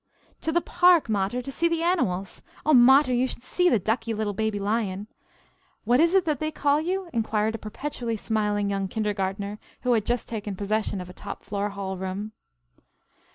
"To the park, mater " "To see the animals " "Oh, mater, you should see the ducky little baby lion!" "What is it that they call you?" inquired a perpetually smiling young kindergartner who had just taken possession of a top floor hall room.